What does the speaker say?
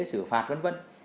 xử phạt vân vân